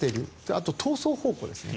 あと、逃走方向ですね。